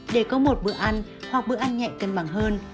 để có một bữa ăn hoặc bữa ăn nhẹ cân bằng hơn